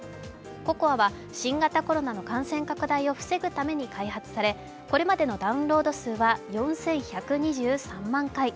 ＣＯＣＯＡは新型コロナの感染拡大を防ぐために開発され、これまでのダウンロード数は４１２３万回。